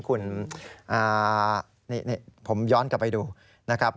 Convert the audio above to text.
คุณนี่ผมย้อนกลับไปดูนะครับ